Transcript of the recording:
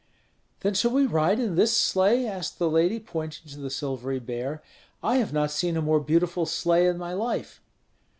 "Then shall we ride in this sleigh?" asked the lady, pointing to the silvery bear. "I have not seen a more beautiful sleigh in my life."